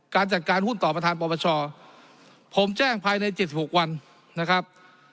การจัดการหุ้นต่อประธานปรปชผมแจ้งภายใน๗๖วันนะครับ